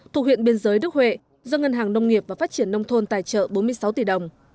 thuộc huyện biên giới đức huệ do ngân hàng nông nghiệp và phát triển nông thôn tài trợ bốn mươi sáu tỷ đồng